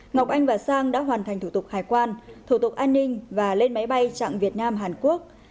ngọc anh và sang đã hoàn thành thủ tục hải quan thủ tục an ninh và lên máy bay chặng việt nam hàn quốc